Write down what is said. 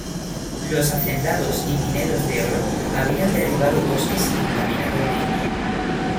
Los hacendados y mineros de oro habían derribado bosques y contaminado ríos.